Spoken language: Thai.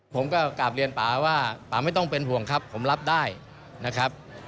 ผมก็กลับเรียนป่าว่าป่าไม่ต้องเป็นห่วงครับผมรับได้นะครับ